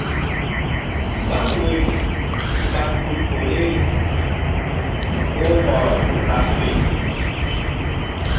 Gbam woyri ku ɓa gun horeri mu oh hɔrɔ ta suy.